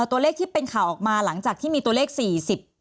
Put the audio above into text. ตัวเลขที่เป็นข่าวออกมาหลังจากที่มีตัวเลขสี่สิบ